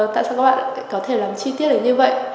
tại sao các bạn có thể làm chi tiết lại như vậy